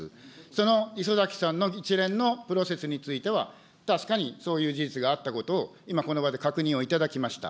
その礒崎さんの一連のプロセスについては、確かにそういう事実があったことを今、この場で確認を頂きました。